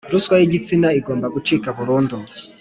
Ruswa yigitsina igomba gucika burundu